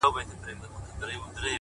• قرض د پلار هم بد دی ,